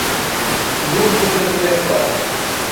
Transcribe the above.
Guh bide dilê xwe.